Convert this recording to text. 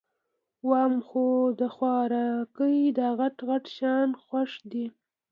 وام خو د خوارکي داغټ غټ شیان خوښ دي